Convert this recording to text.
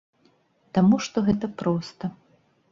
Таму што гэта проста.